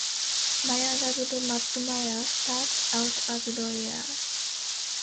Maya, dubbed "Mad Maya", starts out as a lawyer.